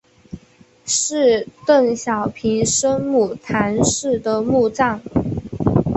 是邓小平生母谈氏的墓葬。